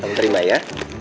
kamu terima ya